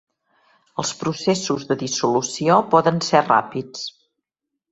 Els processos de dissolució poden ser ràpids.